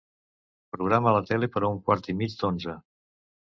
Programa la tele per a un quart i mig d'onze.